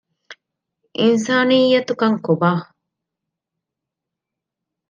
އިންސާނިއްޔަތުކަން ކޮބާ؟